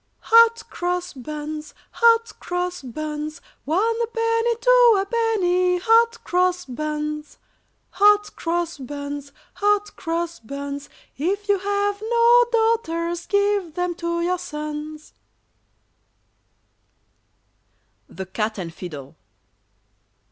] Hot Cross Buns! Hot Cross Buns! One a penny, two a penny, Hot Cross Buns. Hot Cross Buns! Hot Cross Buns! If you have no daughters, give them to your sons. [Illustration: THE CAT AND FIDDLE.